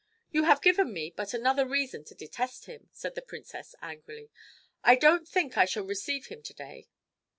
"You have given me but another reason to detest him," said the Princess, angrily. "I don't think I shall receive him to day."